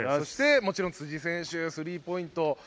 もちろん辻選手はスリーポイント。